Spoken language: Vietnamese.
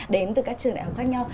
đến từ các trường đại học khác nhau